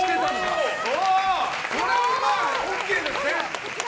これは、ＯＫですね！